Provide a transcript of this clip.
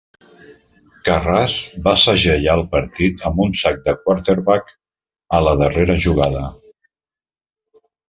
Karras va segellar el partit amb un sac de quarterback a la darrera jugada.